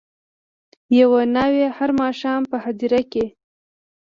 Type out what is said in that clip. یوه ناوي هر ماښام په هدیره کي